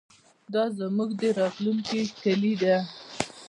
دا زموږ د راتلونکي کلي ده.